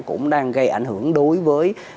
cũng đang gây ảnh hưởng đối với